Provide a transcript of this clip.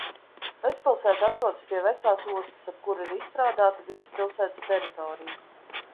Vecpilsēta atrodas pie vecās ostas, ap kuru ir izstrādāta visa pilsētas teritorija.